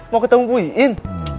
mau ketemu bu iin